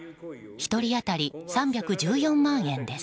１人当たり、３１４万円です。